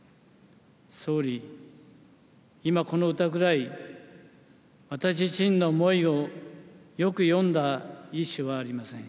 総理、今、この歌ぐらい、私自身の思いをよく詠んだ一首はありません。